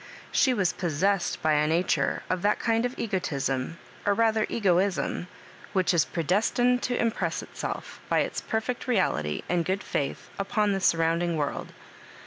She was pos sessed by nature of that kind of egotism or rather egoism, which is predestined to impress itself, by its perfect reality and good &ith, upon the sur rounding world.